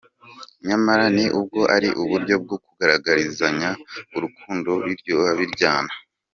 Nyamara ni ubwo ari uburyo bwo kugaragaizanya urukundo, biryoha biryana.